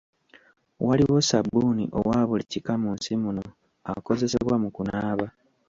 Waliwo ssabbuuni owa buli kika mu nsi muno akozesebwa mu kunaaba.